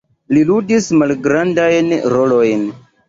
Li ludis malgrandajn rolojn.